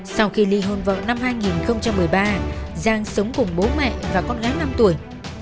sau khi ly hôn vào năm hai nghìn một mươi ba giang sống cùng bố mẹ và con gái năm tuổi